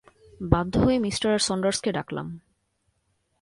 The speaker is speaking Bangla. বাধ্য হয়ে মিঃ সনডার্স কে ডাকলাম।